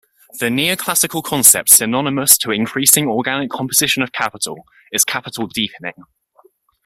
The neoclassical concept synonymous to increasing organic composition of capital is capital deepening.